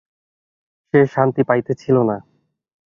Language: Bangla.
সে শান্তি পাইতেছিল না।